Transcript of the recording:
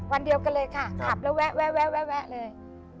วันเดียวกันเลยค่ะขับแล้วแวะเลย